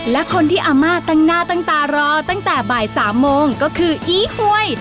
และคนที่อาม่าตั้งหน้าตั้งตารอตั้งแต่บ่าย๓โมงก็คืออีหวย